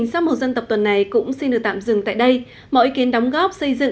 xin kính chào tạm biệt và hẹn gặp lại